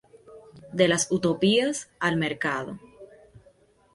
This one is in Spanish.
De las utopías al mercado.